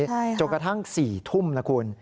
ใช่ครับค่ะจนกระทั่ง๔ทุ่มนะคุณ